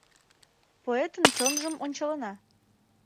Поэтын чонжым ончалына.